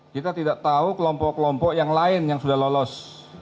kita tidak tahu kelompok kelompok yang lain yang sudah lolos